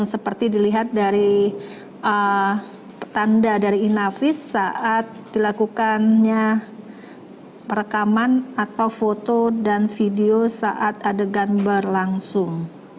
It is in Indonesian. seperti dilihat dari tanda dari inavis saat dilakukannya perekaman atau foto dan video saat adegan berlangsung